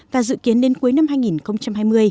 và dự kiến đến cuối năm hai nghìn hai mươi